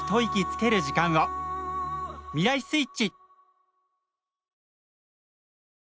未来スイッチ！